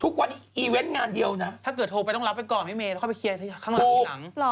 ทุกวันนี้อีเวนต์งานเดียวนะถ้าเกิดโทรไปต้องรับไปก่อนพี่เมย์แล้วค่อยไปเคลียร์ข้างหลัง